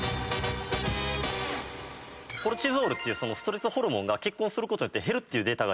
コルチゾールというストレスホルモンが結婚することによって減るっていうデータが。